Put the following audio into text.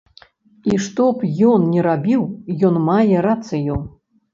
І што б ён ні рабіў, ён мае рацыю.